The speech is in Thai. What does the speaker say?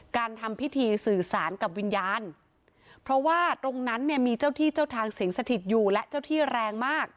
ทำพิธีสื่อสารกับวิญญาณเพราะว่าตรงนั้นเนี่ยมีเจ้าที่เจ้าทางสิงสถิตอยู่และเจ้าที่แรงมาก